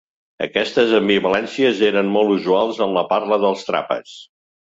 Aquestes ambivalències eren molt usuals en la parla dels Trapas.